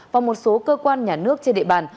và một số cơ quan nhà nước trên địa bàn